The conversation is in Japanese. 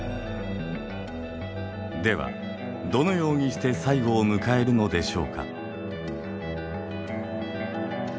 ではどのようにして最後を迎えるのでしょうか。